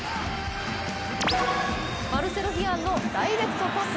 マルセロ・ヒアンのダイレクトパス。